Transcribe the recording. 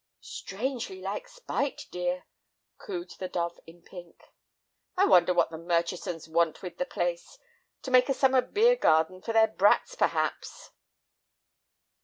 "Strangely like spite, dear," cooed the dove in pink. "I wonder what the Murchisons want with the place? To make a summer beer garden for their brats, perhaps."